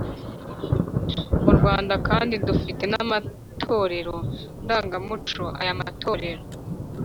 mu rwanda kandi dufite n’amatorero ndangamuco aya matorero